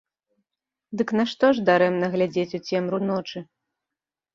Дык нашто ж дарэмна глядзець у цемру ночы?